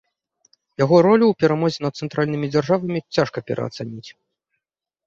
Яго ролю ў перамозе над цэнтральнымі дзяржавамі цяжка пераацаніць.